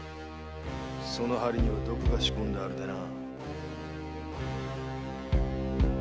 その針には毒が仕込んであるでな。